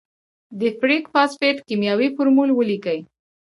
د فیریک فاسفیټ کیمیاوي فورمول ولیکئ.